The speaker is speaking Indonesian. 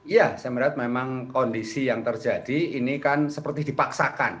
ya saya melihat memang kondisi yang terjadi ini kan seperti dipaksakan